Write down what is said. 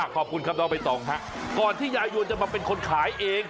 ขอบคุณครับน้องใบตองฮะก่อนที่ยายวนจะมาเป็นคนขายเอง